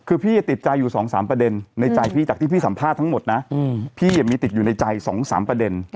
คือพี่ติดใจอยู่๒๓ประเด็นในใจพี่จากที่พี่สัมภาษณ์ทั้งหมดนะพี่มีติดอยู่ในใจ๒๓ประเด็น